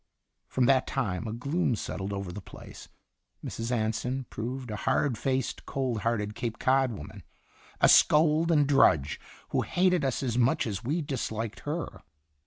From that time a gloom settled over the place. Mrs. Anson proved a hard faced, cold hearted, Cape Cod woman, a scold and drudge, who hated us as much as we disliked her.